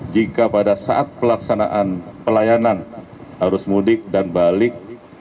jika pada saat pelaksanaan pelayanan arus mudik dan balik